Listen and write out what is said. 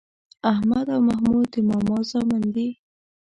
احمد او محمود د ماما زامن دي